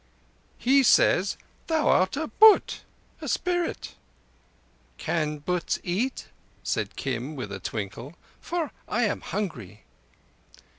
"He says thou are a būt (a spirit)." "Can būts eat?" said Kim, with a twinkle. "For I am hungry."